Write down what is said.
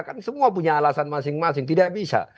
kita tidak mau berbicara tentang masalah masing masing tidak bisa